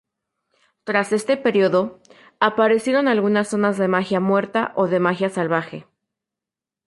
Tras este período, aparecieron algunas zonas de magia muerta o de magia salvaje.